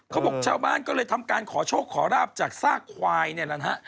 เขาบอกชาวบ้านก็เลยทำการขอโชคขอราบจากซากควายเนี่ยแหละนะฮะ